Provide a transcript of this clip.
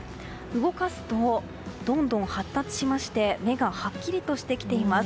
動かすとどんどん発達しまして目がはっきりとしてきています。